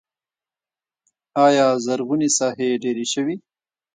آیا زرغونې ساحې ډیرې شوي؟